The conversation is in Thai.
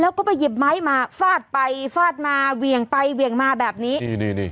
แล้วก็ไปหยิบไม้มาฟาดไปฟาดมาเหวี่ยงไปเวียงมาแบบนี้นี่นี่